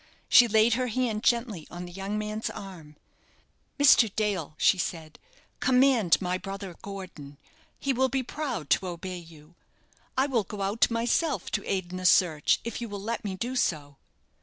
She laid her hand gently on the young man's arm. "Mr. Dale." she said, "command my brother Gordon; he will be proud to obey you. I will go out myself to aid in the search, if you will let me do so."